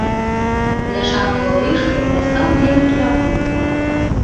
Бляшанаю лыжкаю дастаў з ямкі агню.